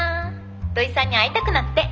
土井さんに会いたくなって。